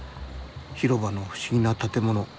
広場の不思議な建物。